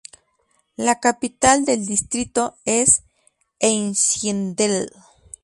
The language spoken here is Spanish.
La capital del distrito es Einsiedeln.